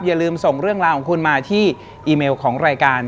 อย่าลืมส่งเรื่องราวของคุณมาที่อีเมลของรายการ